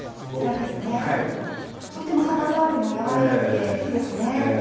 とても肌触りもやわらかくていいですね。